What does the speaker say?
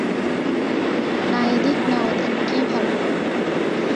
না এ দিক না ও দিক কি ভালো?